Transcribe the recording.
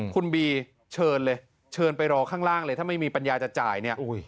คุณบีเชิญเลยเชิญไปรอข้างล่างเลยถ้าไม่มีปัญญาจะจ่ายเนี่ย